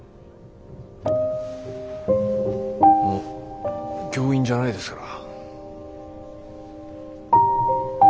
もう教員じゃないですから。